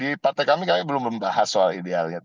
di partai kami kami belum membahas soal idealnya